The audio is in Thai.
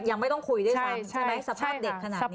ยังไม่ต้องคุยด้วยซ้ำใช่ไหมสภาพเด็กขนาดนี้